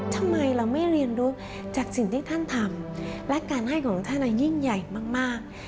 ทำไมเราไม่เรียนรู้จากสิ่งที่ท่านทำและการให้ของท่านยิ่งใหญ่มาก